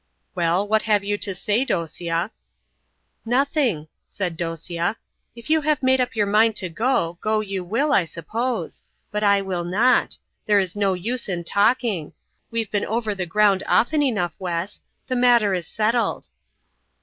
"Well, what have you to say, Dosia?" "Nothing," said Theodosia. "If you have made up your mind to go, go you will, I suppose. But I will not. There is no use in talking. We've been over the ground often enough, Wes. The matter is settled."